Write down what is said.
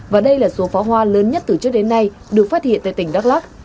và đây là số pháo hoa lớn nhất từ trước đến nay được phát hiện tại tỉnh đắk lắc